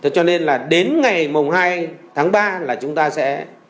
cho nên là đến ngày hai tháng ba là chúng ta sẽ